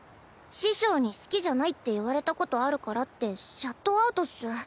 師匠に好きじゃないって言われたことあるからってシャットアウトっス。